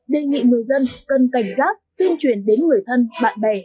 đề nghị người dân cần cảnh giác tuyên truyền đến người thân bạn bè